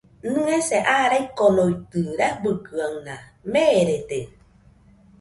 Nɨese aa raikonoitɨ rabɨkɨaɨna, merede